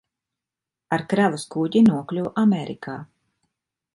Ar kravas kuģi nokļuva Amerikā.